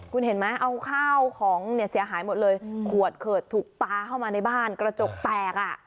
คุณเห็นไหมเอาข้าวของเนี่ยเสียหายหมดเลยขวดเขิดถูกปลาเข้ามาในบ้านกระจกแตกอ่ะ